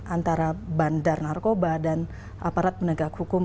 antara bandar narkoba dan aparat penegak hukum